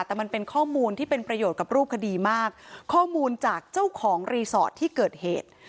แต่มันเป็นข้อมูลที่เป็นประโยชน์กับรูปคดีมากข้อมูลจากเจ้าของรีสอร์ทที่เกิดเหตุ